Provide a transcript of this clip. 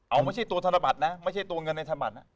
เอาไม่ใช่ตัวธนบัตรนะไม่ใช่ตัวเงินในธนบัตรนะ